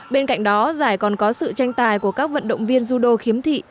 bên cạnh đó giải còn có sự tranh tài của các vận động viên dudo khiếm thị